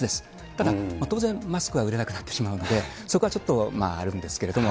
ただ、当然マスクは売れなくなってしまうので、そこはちょっとあるんですけれども。